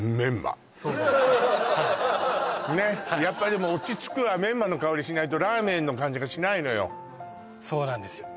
はいねっやっぱりでも落ち着くわメンマの香りしないとラーメンの感じがしないのよそうなんですよ